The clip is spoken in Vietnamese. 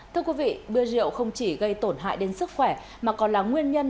thưa quý vị bia rượu không chỉ gây tổn hại đến sức khỏe mà còn là nguyên nhân